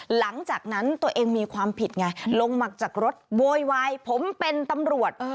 หลังจากนั้นตัวเองมีความผิดไงลงมาจากรถโวยวายผมเป็นตำรวจ